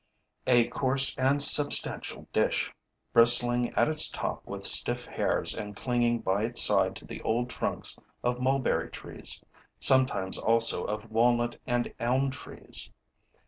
a coarse and substantial dish, bristling at its top with stiff hairs and clinging by its side to the old trunks of mulberry trees, sometimes also of walnut and elm trees.